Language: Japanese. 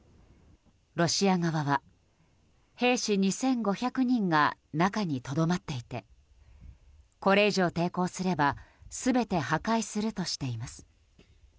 ロシア側は兵士２５００人が中にとどまっていてこれ以上抵抗すれば全て破壊するとしています。